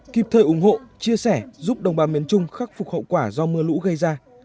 kịp thời ủng hộ chia sẻ giúp đồng bào miền trung khắc phục hậu quả do mưa lũ gây ra